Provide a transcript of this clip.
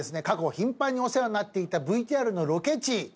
過去頻繁にお世話になっていたＶＴＲのロケ地。